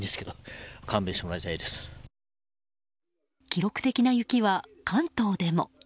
記録的な雪は関東でも。